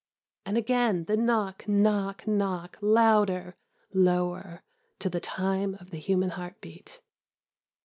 And again the knock, knock, knock ... louder ... lower ... to the time of the human heartbeat.